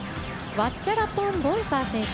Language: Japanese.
ワッチャラポン・ボンサー選手。